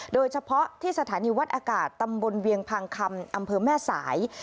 โดยเฉพาะที่สถานีวัดอากาศตำบลเวียงพังคำอำเภอแม่สาย